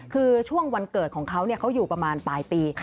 คือช่วงวันเกิดของเขาเขาอยู่ประมาณปลายปี